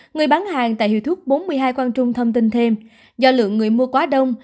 người bán hàng tại hiệu thuốc bốn mươi hai quang trung thông tin thêm do lượng người mua quá đông